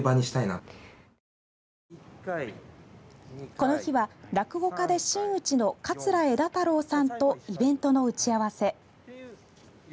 この日は落語家で真打ちの桂枝太郎さんとイベントの打ち合わせ。